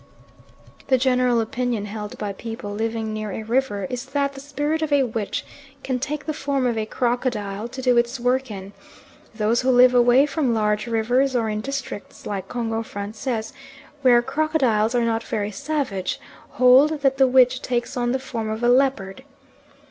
The general opinion held by people living near a river is that the spirit of a witch can take the form of a crocodile to do its work in; those who live away from large rivers or in districts like Congo Francais, where crocodiles are not very savage, hold that the witch takes on the form of a leopard.